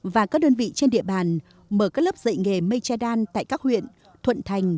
và các đơn vị trên địa bàn mở các lớp dạy nghề mechidan tại các huyện thuận thành